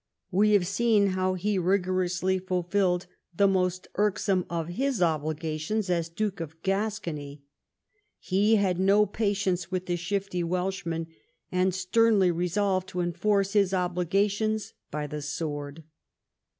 We have seen how he rigorously fulfilled the most irksome of his obligations as Duke of Gascony. He had no patience with the shift}^ Welshman, and sternly resolved to enforce his obligations by the sword.